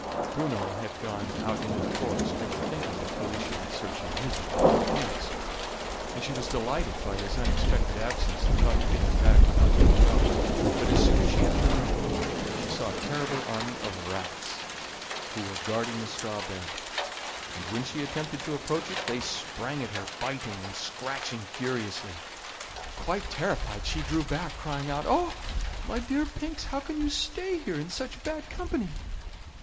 Bruno had gone out into the forest, never thinking that Felicia would search in his room for the pinks, and she was delighted by his unexpected absence, and thought to get them back without further trouble. But as soon as she entered the room she saw a terrible army of rats, who were guarding the straw bed; and when she attempted to approach it they sprang at her, biting and scratching furiously. Quite terrified, she drew back, crying out: "Oh! my dear pinks, how can you stay here in such bad company?"